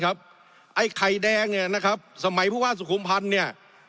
ไอ้ไข่แดงเนี่ยนะครับสมัยผู้ว่าสุขุมพันธ์เนี่ย